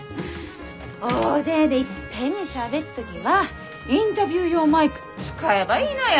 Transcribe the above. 大勢でいっぺんにしゃべっ時はインタビュー用マイク使えばいいのよ。